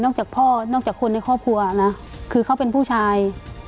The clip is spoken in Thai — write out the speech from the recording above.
จากพ่อนอกจากคนในครอบครัวนะคือเขาเป็นผู้ชาย